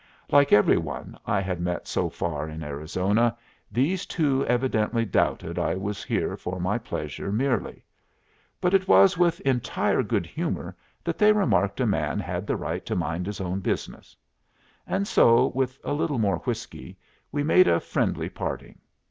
Like every one I had met so far in Arizona, these two evidently doubted I was here for my pleasure merely; but it was with entire good humor that they remarked a man had the right to mind his own business; and so, with a little more whiskey, we made a friendly parting.